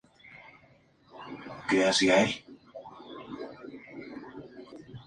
Las canciones Everything y Unforgiven fueron utilizadas en la película The Perfect Score.